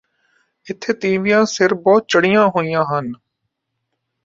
ਇਥੇ ਤੀਵੀਂਆਂ ਸਿਰ ਬਹੁਤ ਚੜ੍ਹੀਆਂ ਹੋਈਆਂ ਹਨ